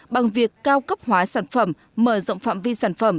bằng việc cao cấp hóa sản phẩm mở rộng phạm vi sản phẩm